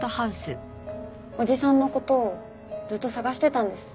おじさんの事ずっと捜してたんです。